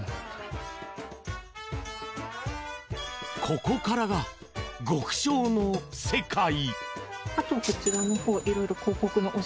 ここからが極小の世界。